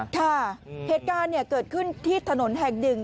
ค่ะเหตุการณ์เกิดขึ้นที่ถนนแห่งหนึ่ง